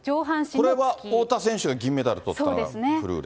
これは太田選手が銀メダルとったフルーレ。